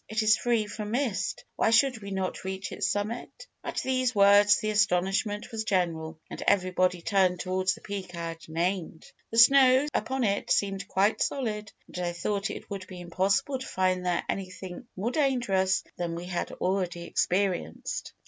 It is free from mist, why should we not reach its summit?' At these words the astonishment was general, and everybody turned towards the peak I had named. The snow upon it seemed quite solid, and I thought it would be impossible to find there anything more dangerous than we had already experienced.